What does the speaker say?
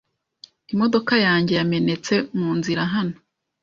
Imodoka yanjye yamenetse munzira hano.